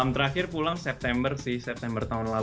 terakhir pulang september sih september tahun lalu